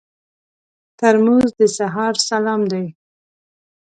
ترموز د سهار سلام دی.